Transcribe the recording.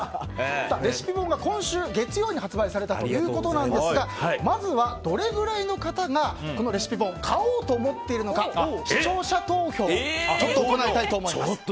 レシピ本が今週月曜に発売されたということなんですがまずはどれぐらいの方がこのレシピ本を買おうと思っているのか視聴者投票を行いたいと思います。